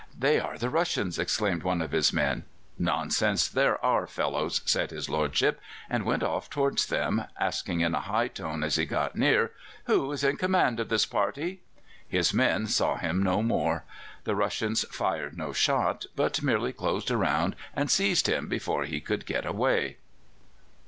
'They are the Russians!' exclaimed one of his men. 'Nonsense! they're our fellows,' said his lordship, and went off towards them, asking in a high tone as he got near: 'Who is in command of this party?' His men saw him no more. The Russians fired no shot, but merely closed round and seized him before he could get away.